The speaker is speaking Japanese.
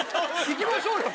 行きましょうよ！